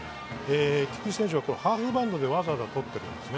菊池選手はハーフバウンドでわざわざとってるんですね。